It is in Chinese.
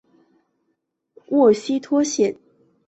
沃希托县是位于美国路易斯安那州北部的一个县。